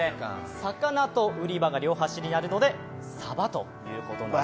魚と売り場が両端にあるので、さばということです。